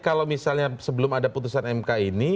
kalau misalnya sebelum ada putusan mk ini